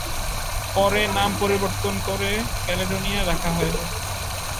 পরে নাম পরিবর্তন করে ক্যালেডোনিয়া রাখা হয়।